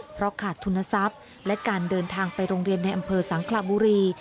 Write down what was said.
เพราะขาดทุนทรัพย์และการเดินทางไปโรงเรียนในอำเภอสังคลาบุรี